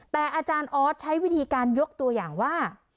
แต่อาจารย์ออสใช้วิธีการยกตัวอย่างว่า